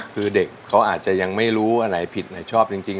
คือเด็กเขาอาจจะยังไม่รู้อันไหนผิดไหนชอบจริง